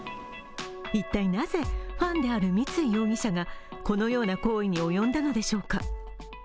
一体なぜファンである三井容疑者がこのような行為に及んだのでしょうか。